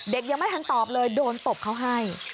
ยังไม่ทันตอบเลยโดนตบเขาให้